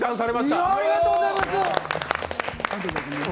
いやぁ、ありがとうございます。